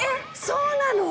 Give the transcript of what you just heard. そうなの？